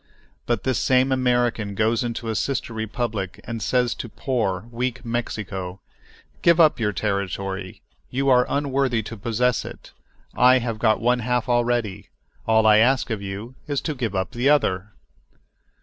But this same American goes into a sister republic and says to poor, weak Mexico, "Give up your territory—you are unworthy to possess it—I have got one half already—all I ask of you is to give up the other!"